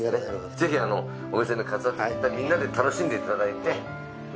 ぜひお店に飾ったりみんなで楽しんでいただいてね。